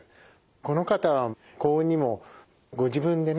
この方は幸運にもご自分でね